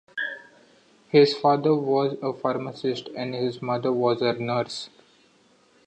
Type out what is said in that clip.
His father was a pharmacist and his mother was a nurse.